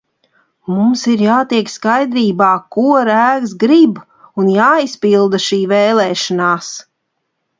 Mums ir jātiek skaidrībā, ko rēgs grib, un jāizpilda šī vēlēšanās!